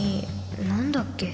何だっけ？